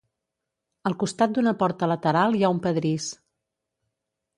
Al costat d'una porta lateral hi ha un pedrís.